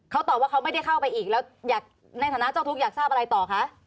เขาตอบว่าเขาไม่ได้เข้าไปอีกแล้วอยากในฐานะเจ้าทุกข์อยากทราบอะไรต่อคะ